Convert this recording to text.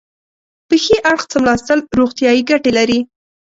په ښي اړخ څملاستل روغتیایي ګټې لري.